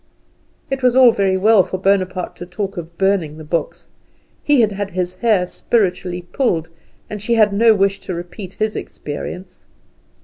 It was all very well for Bonaparte to talk of burning the books. He had had his hair spiritually pulled, and she had no wish to repeat his experience.